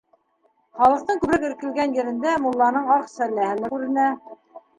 Халыҡтың күберәк эркелгән ерендә мулланың аҡ сәлләһе лә күренә.